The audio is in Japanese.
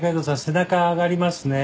背中上がりますね。